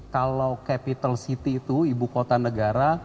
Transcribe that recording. kalau capital city itu ibu kota negara